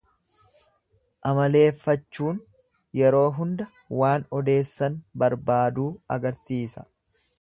Amaleeffachuun yeroo hunda waan odeessan barbaaduu agarsiisa.